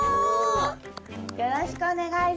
よろしくお願いします！